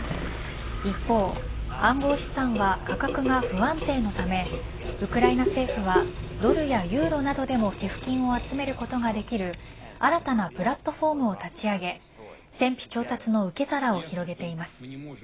一方、暗号資産は価格が不安定なためウクライナ政府はドルやユーロなどでも寄付金を集めることができる新たなプラットフォームを立ち上げ戦費調達の受け皿を広げています。